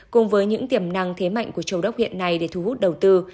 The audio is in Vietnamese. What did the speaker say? cùng với những tiềm năng thế mạnh của châu đốc hiện nay để thu hút đầu tư